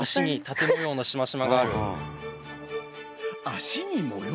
脚に模様？